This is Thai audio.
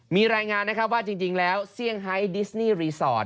มีรายงานนะครับว่าจริงแล้วเซี่ยงไฮดิสนี่รีสอร์ท